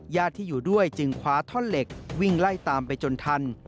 ญาติที่อยู่ด้วยจึงคว้าท่อนเหล็กวิ่งไล่ตามไปจนทัน